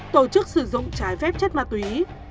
tổ chức sử dụng trái phép chất ma túy